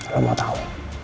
lo mau tau